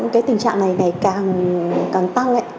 cái tình trạng này ngày càng tăng ấy